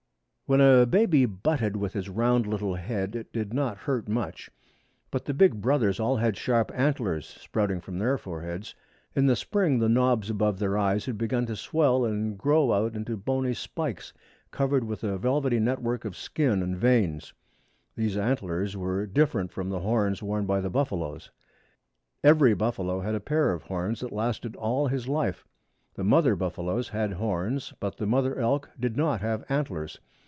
When a baby butted with his round little head it did not hurt much. But the big brothers all had sharp antlers sprouting from their foreheads. In the spring the knobs above their eyes had begun to swell and grow out into bony spikes covered with a velvety network of skin and veins. These antlers were different from the horns worn by the buffaloes. Every buffalo had a pair of horns that lasted all his life. The mother buffaloes had horns, but the mother elk did not have antlers.